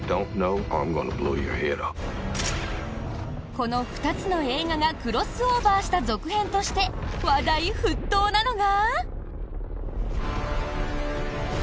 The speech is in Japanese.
この２つの映画がクロスオーバーした続編として話題沸騰なのが。